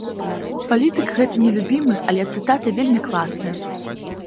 Палітык гэта не любімы, але цытата вельмі класная.